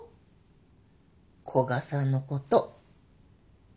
古賀さんのこと。